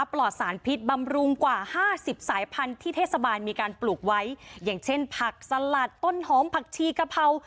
ปลอดสารพิษบำรุงกว่าห้าสิบสายพันธุ์ที่เทศบาลมีการปลูกไว้อย่างเช่นผักสลัดต้นหอมผักชีกะเพรา